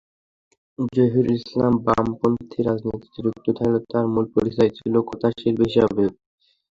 জহিরুল ইসলাম বামপন্থী রাজনীতিতে যুক্ত থাকলেও তাঁর মূল পরিচয় ছিল কথাশিল্পী হিসেবে।